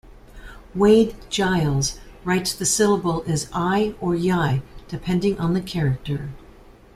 Wade-Giles writes the syllable as "i" or "yi" depending on the character.